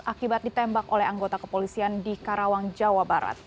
akibat ditembak oleh anggota kepolisian di karawang jawa barat